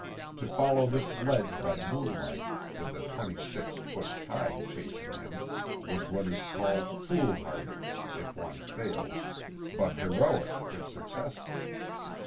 To follow this ledge by moonlight with a twenty six foot tide chasing him was what is called " fool hardy" if one fails, but " heroic " if successful.